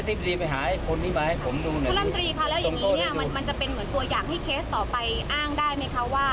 พระรันตรีค่ะแล้วอย่างนี้มันจะเป็นเหมือนตัวอย่างที่เคสต่อไปอ้างได้ไหมคะว่า